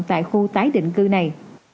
tại khu tái định cư này